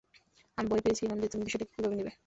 আমি ভয় পেয়েছিলাম যে তুমি বিষয়টাকে কীভাবে নিবে?